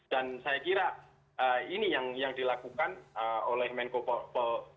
dan saya kira ini yang dilakukan oleh menko polhukam